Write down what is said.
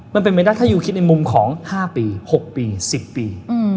มันเป็นไปได้ถ้ายูคิดในมุมของ๕ปี๖ปี๑๐ปี